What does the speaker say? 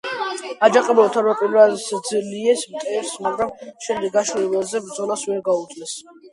აჯანყებულებმა თავდაპირველად სძლიეს მტერს, მაგრამ შემდეგ გაშლილ ველზე ბრძოლას ვერ გაუძლეს.